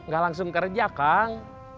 gak langsung kerja kang